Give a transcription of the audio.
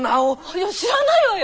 いや知らないわよ！